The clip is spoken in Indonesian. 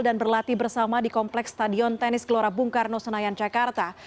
dan berlatih bersama di kompleks stadion tenis kelora bung karno senayan jakarta